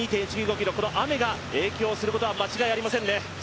ｋｍ、この雨が影響することは間違いありませんね。